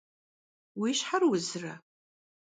Vui şher vuzre?